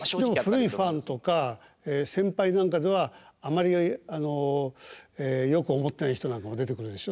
でも古いファンとか先輩なんかではあんまりよく思ってない人なんかも出てくるでしょ。